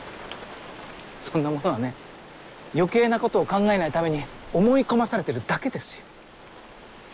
そんなものはね余計なことを考えないために思い込まされてるだけですよ。